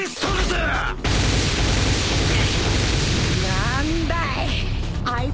何だい！？